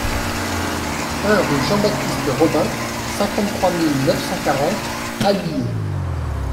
un rue Jean-Baptiste Robin, cinquante-trois mille neuf cent quarante Ahuillé